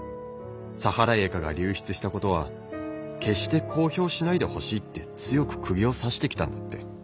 サハライエカが流出したことは決して公表しないでほしいって強くくぎを刺してきたんだって。